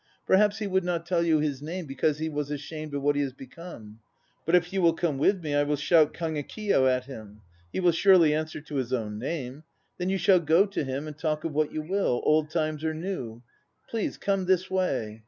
Perhaps he would not tell you his name because he was ashamed of what he has become. But if you will come with me I will shout "Kagekiyo" at him. He will surely answer to his own name. Then you shall go to him and talk of what you will, old times or now. Please come this way.